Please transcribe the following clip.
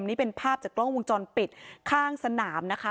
นี่เป็นภาพจากกล้องวงจรปิดข้างสนามนะคะ